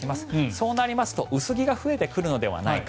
そうなりますと薄着が増えてくるのではないか。